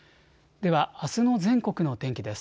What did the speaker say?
では、あすの全国の天気です。